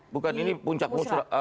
bukan ini puncak musra